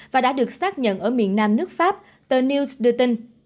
và đã được xác nhận ở miền nam nước pháp tờ news đưa tin